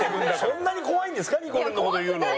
そんなに怖いんですか？にこるんの事言うの。